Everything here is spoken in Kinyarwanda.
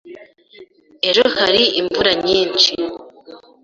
Ejo hari imvura nyinshi.